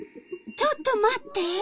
ちょっと待って。